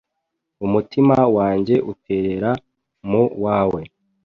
umutima wanjye uterera mu wawe